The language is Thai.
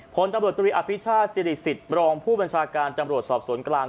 ผลตำรวจตรีอภิชาติสิริสิทธิ์รองผู้บัญชาการตำรวจสอบสวนกลาง